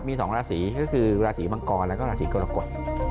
มี๒ราศีก็คือราศีมังกรแล้วก็ราศีกรกฎ